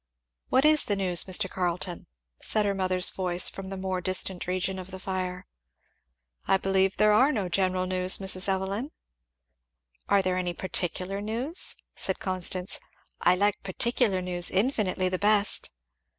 "What is the news, Mr. Carleton?" said her mother's voice, from the more distant region of the fire. "I believe there are no general news, Mrs. Evelyn." "Are there any particular news?" said Constance. "I like particular news infinitely the best!"